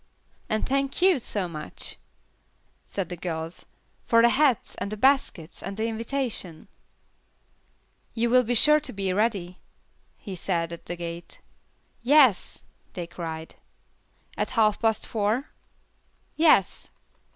"And thank you, so much," said the girls, "for the hats, and the baskets, and the invitation." "You will be sure to be ready," he said, at the gate. "Yes," they cried. "At half past four?" "Yes."